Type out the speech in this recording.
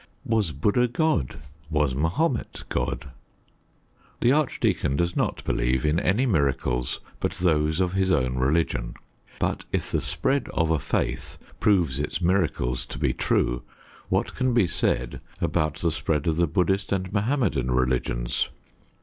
Was Buddha God? Was Mahomet God? The archdeacon does not believe in any miracles but those of his own religion. But if the spread of a faith proves its miracles to be true, what can be said about the spread of the Buddhist and Mohammedan religions?